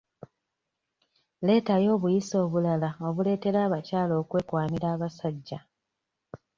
Leetayo obuyisa obulala obuleetera abakyala okwekwanira abasajja.